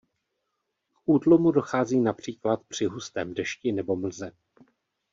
K útlumu dochází například při hustém dešti nebo mlze.